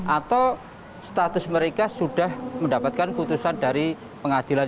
atau status mereka sudah mendapatkan putusan dari pengadilan